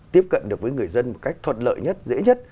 tiếp cận được với người dân một cách thuận lợi nhất dễ nhất